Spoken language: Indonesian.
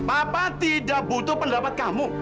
apa tidak butuh pendapat kamu